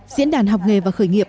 diễn đàn học nghề và khởi nghiệp